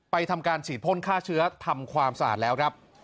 ทำการฉีดพ่นฆ่าเชื้อทำความสะอาดแล้วครับ